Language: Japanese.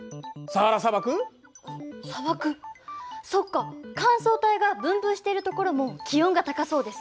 砂漠そっか乾燥帯が分布しているところも気温が高そうです。